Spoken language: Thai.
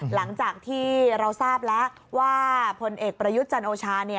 หลังจากที่เราทราบแล้วว่าพลเอกประยุทธ์จันโอชา